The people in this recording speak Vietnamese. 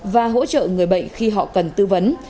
và hỗ trợ người bệnh khi họ cần tư vấn